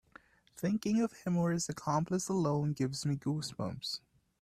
Thinking of him or his accomplice alone gives me goose bumps.